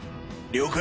了解。